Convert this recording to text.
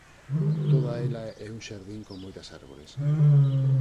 Toda ela é un xardín con moitas árbores.